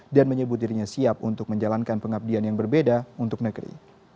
dan menyebut dirinya siap untuk menjalankan pengabdian yang berbeda untuk negeri